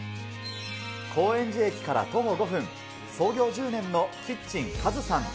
高円寺駅から徒歩５分、創業１０年のキッチンカズさん。